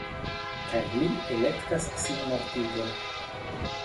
Kaj li elektas sinmortigon.